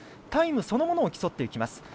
タイムそのものを競っていきます。